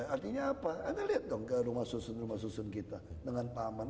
artinya apa anda lihat dong ke rumah susun rumah susun kita dengan taman